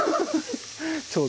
ちょうど？